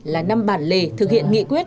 là năm bản lề thực hiện nghị quyết